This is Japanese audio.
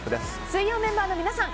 水曜メンバーの皆さん